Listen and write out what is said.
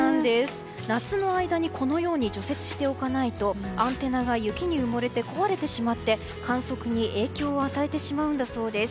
夏の間にこのように除雪しておかないとアンテナが雪に埋もれて壊れてしまって観測に影響を与えてしまうんだそうです。